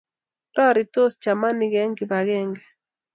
raritos chamanik eng kibagenge